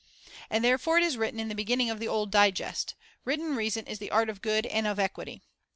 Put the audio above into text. And therefore it is written in the beginning of the Old Digest :' Written reason is the art of good and of equity.'